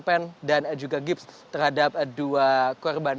pen dan juga gips terhadap dua korban